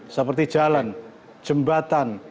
seperti jalan jembatan